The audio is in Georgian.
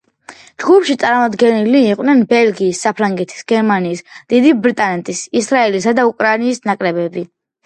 ჯგუფში წარმოდგენილნი იყვნენ ბელგიის, საფრანგეთის, გერმანიის, დიდი ბრიტანეთის, ისრაელისა და უკრაინის ნაკრებები.